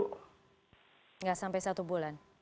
tidak sampai satu bulan